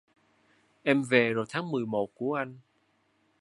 Em về rồi tháng mười một của anh